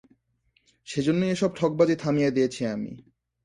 সেজন্যই এসব ঠগবাজি থামিয়ে দিয়েছি আমি।